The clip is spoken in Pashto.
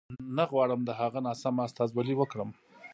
نه غواړم د هغه ناسمه استازولي وکړم.